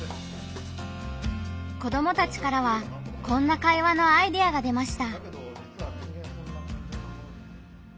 子どもたちからはこんな会話のアイデアが出ました。